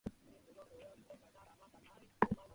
茨城県へ行く